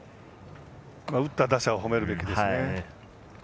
打った打者をほめるべきですね。